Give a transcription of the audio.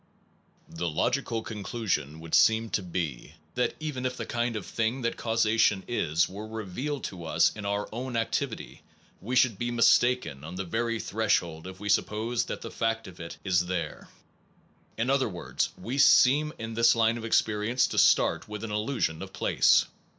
The logical conclusion would seem to be that even if the kind of thing that causation is, were revealed to us in our own activity, we should be mistaken on the very threshold if w r e sup posed that the fact of it is there. In other words we seem in this line of experience to start with an illusion of place.